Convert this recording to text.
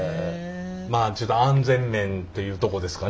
まあちょっと安全面というとこですかねやっぱり。